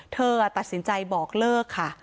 เธอตัดสินใจบอกเลิกค่ะ